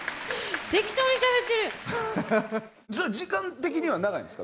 それは時間的には長いんですか？